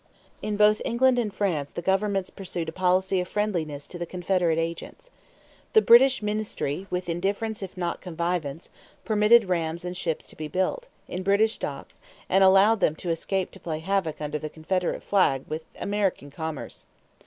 In both England and France the governments pursued a policy of friendliness to the Confederate agents. The British ministry, with indifference if not connivance, permitted rams and ships to be built in British docks and allowed them to escape to play havoc under the Confederate flag with American commerce.